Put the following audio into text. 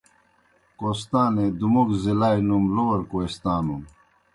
کوہستانے دوموگوْ ضلعلائے نُوم لوئر کوہستانُن۔